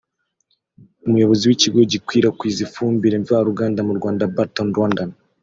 umuyobozi w’ikigo gikwirakwiza ifumbire mva ruganda mu Rwanda Balton Rwanda